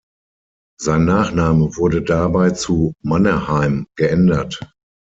Sein Nachname wurde dabei zu "Mannerheim" geändert.